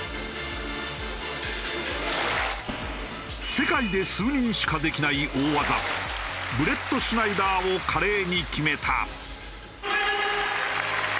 世界で数人しかできない大技ブレットシュナイダーを華麗に決めた。